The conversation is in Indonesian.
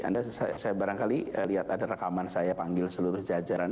anda saya barangkali lihat ada rekaman saya panggil seluruh jajaran